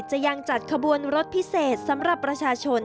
ยังจัดขบวนรถพิเศษสำหรับประชาชน